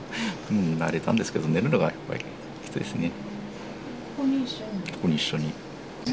もう慣れたんですけど寝るのがやっぱりきついですね